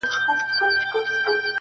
کشکي ستا په خاطر لمر وای راختلی!!.